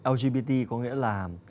lgbt có nghĩa là